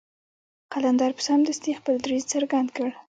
قلندر به سمدستي خپل دريځ څرګند کړ.